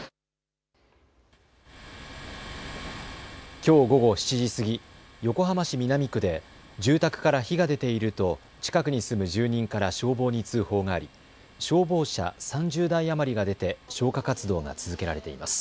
きょう午後７時過ぎ、横浜市南区で住宅から火が出ていると近くに住む住人から消防に通報があり消防車３０台余りが出て消火活動が続けられています。